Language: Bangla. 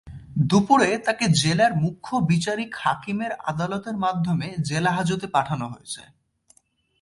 দুপুরে তাঁকে জেলার মুখ্য বিচারিক হাকিমের আদালতের মাধ্যমে জেলহাজতে পাঠানো হয়েছে।